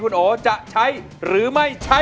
คุณโอจะใช้หรือไม่ใช้